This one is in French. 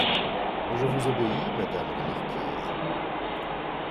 Je vous obéis, madame la marquise.